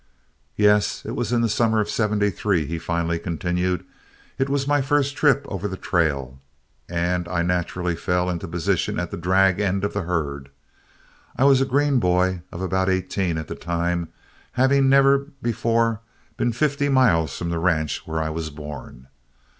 "Yes, it was in the summer of '73," he finally continued. "It was my first trip over the trail, and I naturally fell into position at the drag end of the herd. I was a green boy of about eighteen at the time, having never before been fifty miles from the ranch where I was born.